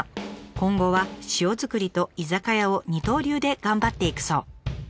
今後は塩作りと居酒屋を二刀流で頑張っていくそう。